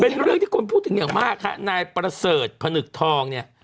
เป็นเรื่องที่คนพูดถึงอย่างมากฮะนายประเสริฐพนึกทองเนี่ย